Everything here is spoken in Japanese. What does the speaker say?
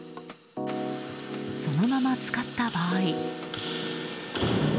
そのまま使った場合。